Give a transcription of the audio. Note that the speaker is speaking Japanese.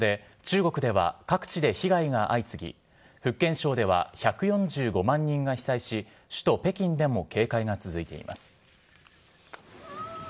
台風５号の影響で、中国では各地で被害が相次ぎ、福建省では１４５万人が被災し、首都北京でも警戒が続いています。